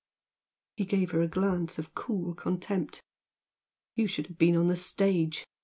He gave her a glance of cool contempt. "You should have been on the stage!"